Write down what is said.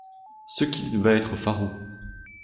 Ce qu'il va être faraud!